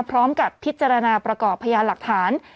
พร้อมกับพิจารณาประกอบพยานหลักฐาน